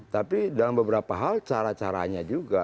tapi dalam beberapa hal cara caranya juga